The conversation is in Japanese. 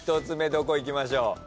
１つ目どこいきましょう？